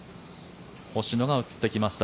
星野が映ってきました